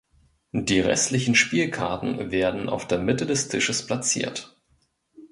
Die restlichen Spielkarten werden auf der Mitte des Tisches platziert.